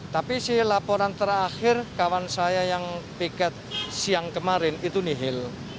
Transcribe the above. tapi si laporan terakhir kawan saya yang piket siang kemarin itu nihil